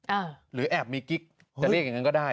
หรือแอบมีกิ๊กจะเรียกอย่างนั้นก็ได้